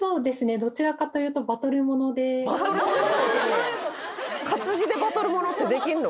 どちらかというとバトル活字でバトル物ってできんの？